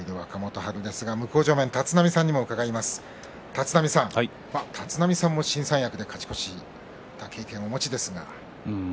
春ですが、向正面の立浪さん立浪さんも新三役で勝ち越した経験をお持ちですが。